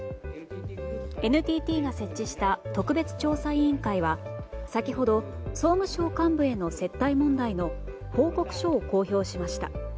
ＮＴＴが設置した特別調査委員会は先ほど総務省幹部への接待問題の報告書を公表しました。